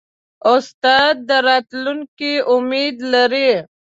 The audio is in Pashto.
استاد د راتلونکي امید لري.